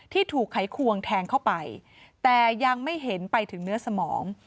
ถูกไขควงแทงเข้าไปแต่ยังไม่เห็นไปถึงเนื้อสมอง